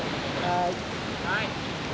はい。